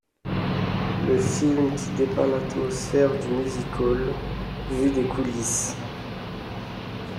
Le film qui dépeint l'atmosphère du music-hall, vu des coulisses.